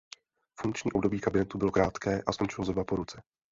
Funkční období kabinetu bylo krátké a skončilo zhruba po roce.